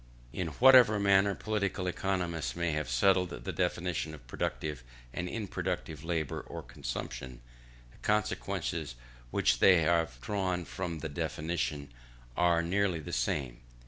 In whatever manner political economists may have settled the definition of productive and unproductive labour or consumption, the consequences which they have drawn from the definition are nearly the same.